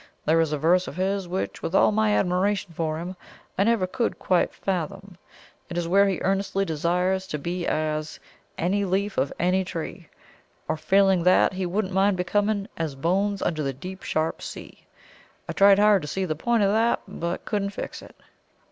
There is a verse of his, which, with all my admiration for him, I never could quite fathom. It is where he earnestly desires to be as 'Any leaf of any tree;' or, failing that, he wouldn't mind becoming 'As bones under the deep, sharp sea.' I tried hard to see the point of that, but couldn't fix it."